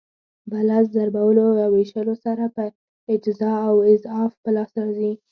په لس ضربولو یا وېشلو سره یې اجزا او اضعاف په لاس راځي.